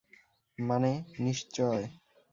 মানে, নিশ্চয়।